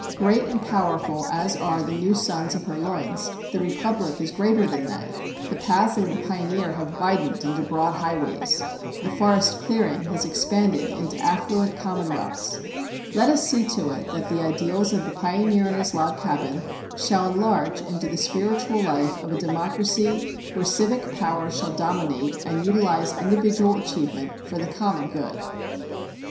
Great and powerful as are the new sons of her loins, the Republic is greater than they. The paths of the pioneer have widened into broad highways. The forest clearing has expanded into affluent commonwealths. Let us see to it that the ideals of the pioneer in his log cabin shall enlarge into the spiritual life of a democracy where civic power shall dominate and utilize individual achievement for the common good.